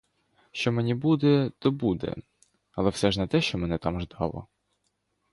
Що мені буде, то буде, але все ж не те, що мене там ждало.